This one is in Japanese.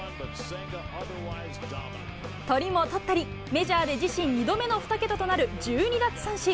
取りも取ったり、メジャーで自身２度目の２桁となる１２奪三振。